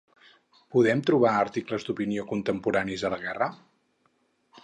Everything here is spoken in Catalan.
Podem trobar articles d'opinió contemporanis a la guerra?